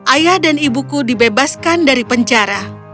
ayah dan ibuku dibebaskan dari penjara